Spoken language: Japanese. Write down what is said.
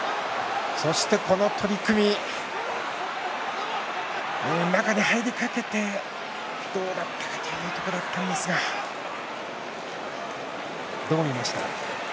この取組、中に入りかけてどうだったかというところだったんですがどう見ましたか？